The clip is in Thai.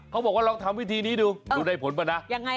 เขาบอกว่าเราทำวิธีนี้ดูดูได้ผลป่ะนะ